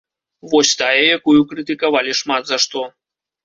Вось тая, якую крытыкавалі шмат за што.